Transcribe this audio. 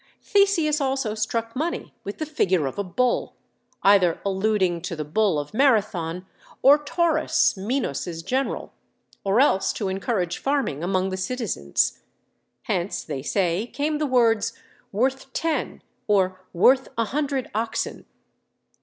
Theseus also struck money with the figure of a bull, either alluding to the bull of Marathon, or Taurus, Minos' general, or else to encourage farming among the citizens. Hence, they say, came the words, "worth ten," or "worth a hundred oxen."